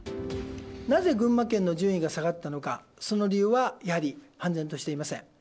なぜ、群馬県の順位が下がったのか、その理由はやはり判然としていません。